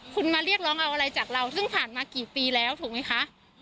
คุณมาเรียกร้องเอาอะไรจากเราซึ่งผ่านมากี่ปีแล้วถูกไหมคะ